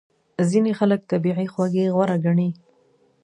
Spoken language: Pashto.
ځینې خلک طبیعي خوږې غوره ګڼي.